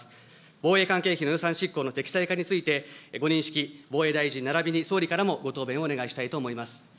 防衛関係費の予算執行の適正化について、ご認識、防衛大臣ならびに総理からもご答弁をお願いしたいと思います。